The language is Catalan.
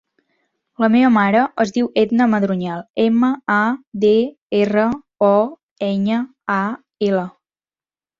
La meva mare es diu Etna Madroñal: ema, a, de, erra, o, enya, a, ela.